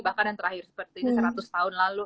bahkan yang terakhir seperti seratus tahun lalu